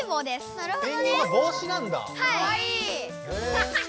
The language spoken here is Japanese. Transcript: なるほど。